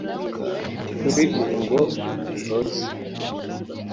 Kuri ubu ngo Rosie